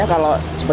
jadi panas banget